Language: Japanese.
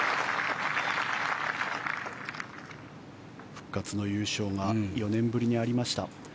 復活の優勝が４年ぶりにありました。